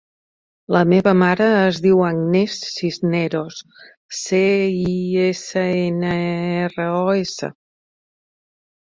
La meva mare es diu Agnès Cisneros: ce, i, essa, ena, e, erra, o, essa.